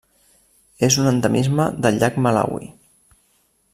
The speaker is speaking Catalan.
És un endemisme del llac Malawi.